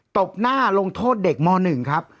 ตบหน้าลงโทษเด็กม๑ครับ